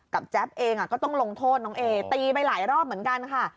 แจ๊บเองก็ต้องลงโทษน้องเอตีไปหลายรอบเหมือนกันค่ะ